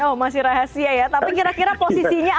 oh masih rahasia ya tapi kira kira posisinya apa